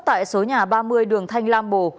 tại số nhà ba mươi đường thanh lam bồ